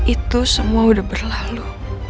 itu semua udah berlalu